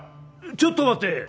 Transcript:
ちょっと待て！